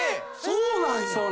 そうなんや。